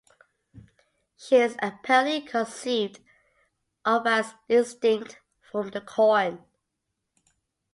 She is apparently conceived of as distinct from the corn.